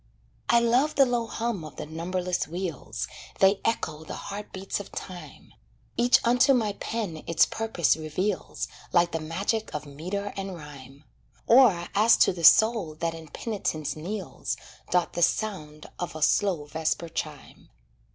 I love the low hum of the numberless wheels They echo the heart beats of time, Each unto my pen its purpose reveals, Like the magic of meter and rhyme; Or, as to the soul that in penitence kneels, Doth the sound of a slow vesper chime.